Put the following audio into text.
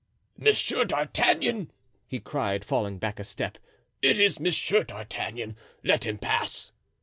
"Monsieur d'Artagnan!" he cried, falling back a step; "it is Monsieur d'Artagnan! let him pass."